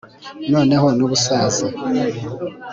noneho n'ubusaza